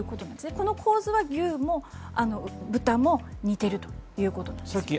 この構図は牛も豚も似ているということですね。